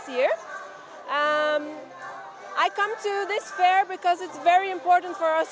vì chương trình này rất quan trọng